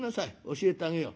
教えてあげよう。